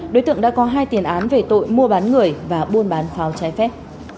đối tượng đã có hai tiền án về tội mua bán người và buôn bán pháo trái phép